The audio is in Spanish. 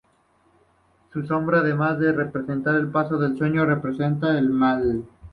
La sombra, además de representar el paso al sueño, representa el mal.